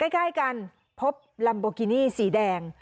ใกล้กันพบลัมโบกินี่สีแดง